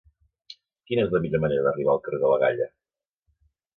Quina és la millor manera d'arribar al carrer de la Galla?